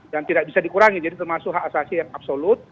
tidak bisa dikurangi jadi termasuk hak asasi yang absolut